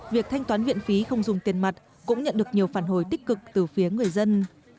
việc thanh toán viện phí không dùng tiền mặt cũng nhận được nhiều phản hồi tích cực từ phía người dân